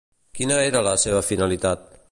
Quina era la seva finalitat?